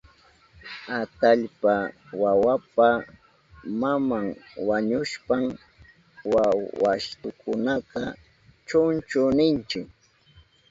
Atallpa wawapa maman wañushpan wawastukunata chunchu ninchi.